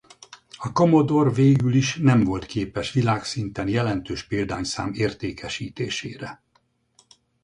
A Commodore végül is nem volt képes világszinten jelentős példányszám értékesítésére.